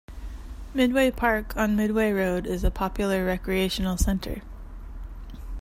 Midway Park on Midway Road is a popular recreational center.